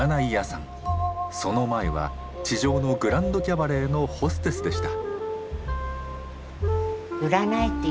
その前は地上のグランドキャバレーのホステスでした。